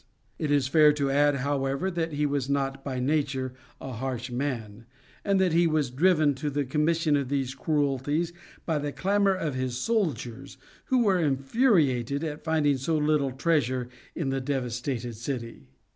It is fair to add, however, that he was not by nature a harsh man, and that he was driven to the commission of these cruelties by the clamor of his soldiers who were infuriated at finding so little treasure in the devastated city.